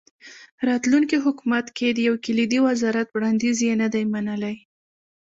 راتلونکي حکومت کې د یو کلیدي وزارت وړاندیز یې نه دی منلی.